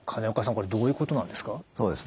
これどういうことなんですか？